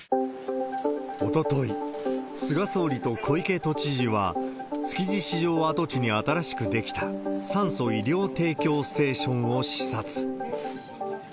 おととい、菅総理と小池都知事は、築地市場跡地に新しく出来た酸素・医療提供ステーションを視察。